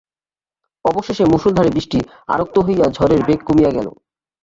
অবশেষে মুষলধারে বৃষ্টি আরক্ত হইয়া ঝড়ের বেগ কমিয়া গেল।